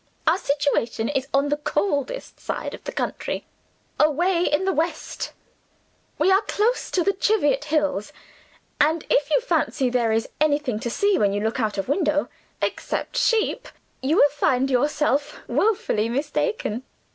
Our situation is on the coldest side of the county, away in the west. We are close to the Cheviot hills; and if you fancy there is anything to see when you look out of window, except sheep, you will find yourself woefully mistaken.